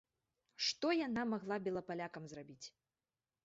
Што яна магла белапалякам зрабіць?